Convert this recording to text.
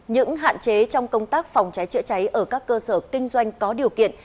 những hạn chế trong công tác phòng cháy chữa cháy ở các cơ sở kinh doanh có điều kiện